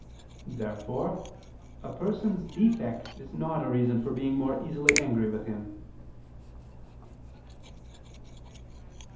Therefore a person's defect is not a reason for being more easily angry with him.